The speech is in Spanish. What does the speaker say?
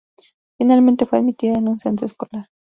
Finalmente fue admitida en un centro escolar.